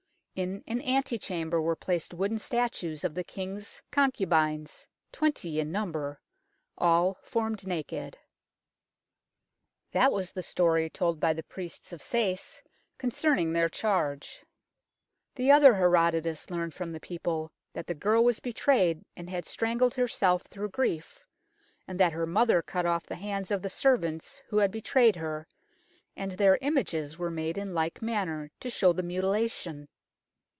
In an ante chamber were placed wooden statues of the King's concubines, twenty in number, all formed naked. That was the story told by the priests of Sais concerning their charge. The other Herodotus learnt from the people, that the girl was betrayed and had strangled herself through grief, and that her mother cut off the hands of the servants who had betrayed her, and their images were made in like manner to show the mutilation.